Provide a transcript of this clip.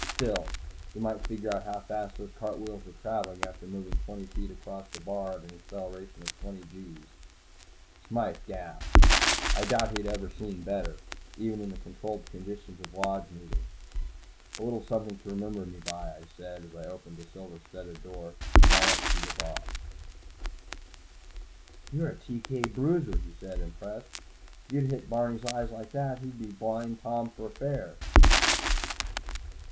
Still, you might figure out how fast those cartwheels were traveling after moving twenty feet across the bar at an acceleration of twenty gees. Smythe gasped. I doubted he had ever seen better, even in the controlled conditions of Lodge Meeting. "A little something to remember me by," I said, as I opened the silver studded door. "Now let's see the boss." "You're a TK bruiser," he said, impressed. "If you hit Barney's eyes like that, he's a Blind Tom for fair."